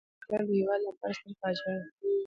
د شتمنو وتل د هېواد لپاره ستره فاجعه وي.